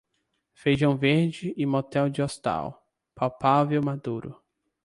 Feijão verde e motel de hostal, palpável maduro.